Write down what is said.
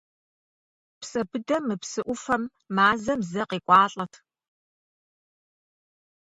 Псэбыдэ мы псы ӏуфэм мазэм зэ къекӏуалӏэт.